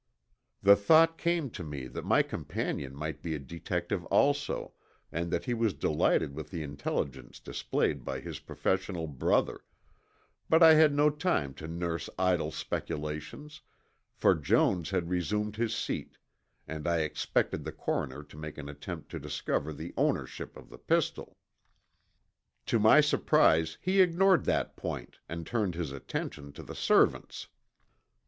The thought came to me that my companion might be a detective also, and that he was delighted with the intelligence displayed by his professional brother, but I had no time to nurse idle speculations, for Jones had resumed his seat, and I expected the coroner to make an attempt to discover the ownership of the pistol. To my surprise he ignored that point and turned his attention to the servants.